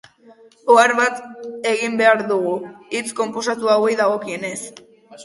Ohar bat egin behar dugu, hitz konposatu hauei dagokienez.